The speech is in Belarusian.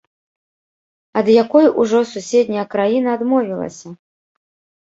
Ад якой ужо суседняя краіна адмовілася?